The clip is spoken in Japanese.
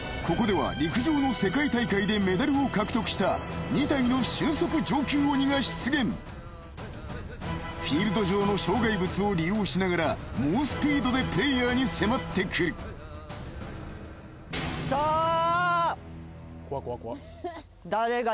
ここでは陸上の世界大会でメダルを獲得した２体の俊足上級鬼が出現フィールド上の障害物を利用しながら猛スピードでプレイヤーに迫ってくるさあ！